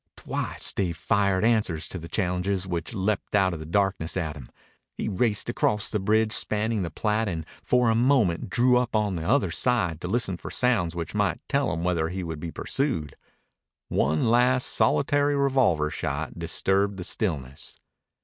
Twice Dave fired answers to the challenges which leaped out of the darkness at him. He raced across the bridge spanning the Platte and for a moment drew up on the other side to listen for sounds which might tell him whether he would be pursued. One last solitary revolver shot disturbed the stillness.